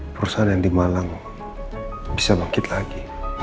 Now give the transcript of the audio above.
perusahaan yang dimalang bisa bangkit lagi